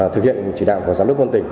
thực hiện chỉ đạo của giám đốc quân tỉnh